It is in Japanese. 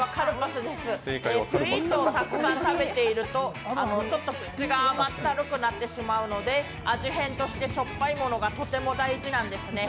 スイーツたくさん食べていると口が甘ったるくなってしまうので味変としてしょぱいものがとても大事なんですね。